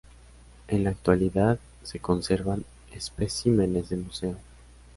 En la actualidad se conservan especímenes de museo.